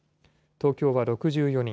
東京は６４人。